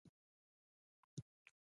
هغه وویل: که نه غواړي، مه راته وایه.